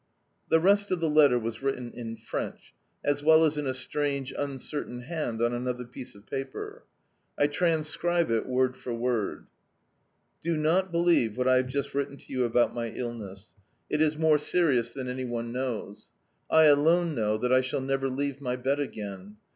The rest of the letter was written in French, as well as in a strange, uncertain hand, on another piece of paper. I transcribe it word for word: "Do not believe what I have just written to you about my illness. It is more serious than any one knows. I alone know that I shall never leave my bed again.